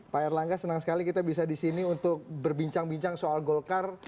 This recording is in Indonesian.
pak erlangga senang sekali kita bisa di sini untuk berbincang bincang soal golkar